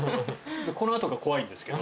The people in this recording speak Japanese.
このあとが怖いんですけど。